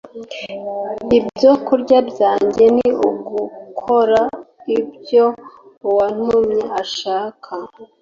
“Ibyokurya byanjye ni ugukora ibyo uwantumye ashaka